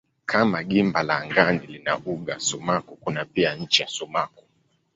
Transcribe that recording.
Kama gimba la angani lina uga sumaku kuna pia ncha sumaku.